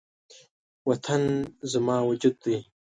وطن زما وجود دی